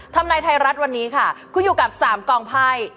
ทำนายไทยรัฐวันนี้ค่ะคุณอยู่กับ๓กองไพ่